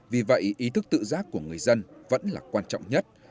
vì vậy ý thức tự giác của người dân vẫn là quan trọng nhất